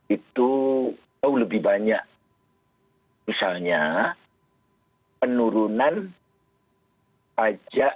itu jauh lebih banyak misalnya penurunan pajak